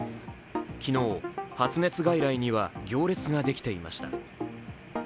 昨日、発熱外来には行列ができていました。